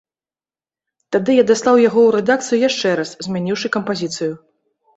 Тады я даслаў яго ў рэдакцыю яшчэ раз, змяніўшы кампазіцыю.